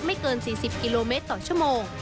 ไม่เกิน๔๐กิโลเมตรต่อชั่วโมง